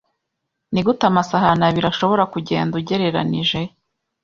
Nigute amasahani abiri ashobora kugenda ugereranije